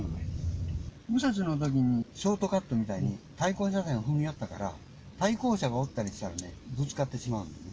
右折のときにショートカットみたいに、対向車線踏みよったから、対向車がおったりしたらね、ぶつかってしまうんね。